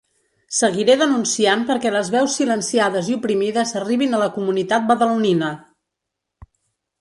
Seguiré denunciant perquè les veus silenciades i oprimides arribin a la comunitat badalonina!